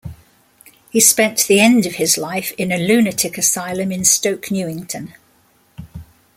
He spent the end of his life in a lunatic asylum in Stoke Newington.